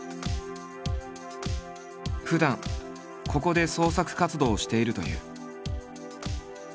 ふだんここで創作活動をしているという。